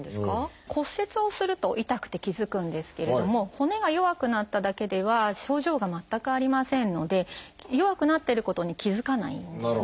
骨折をすると痛くて気付くんですけれども骨が弱くなっただけでは症状が全くありませんので弱くなってることに気付かないんですね。